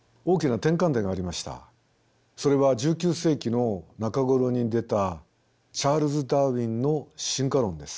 それは１９世紀の中頃に出たチャールズ・ダーウィンの「進化論」です。